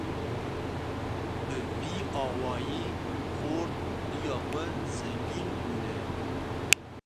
Bi vî awayî xort û dêya xwe zengîn bûne.